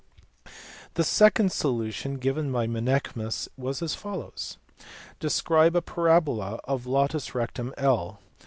The second solution given by Menaechmus was as follows. Describe a parabola of latus rectum I.